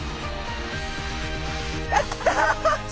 やった！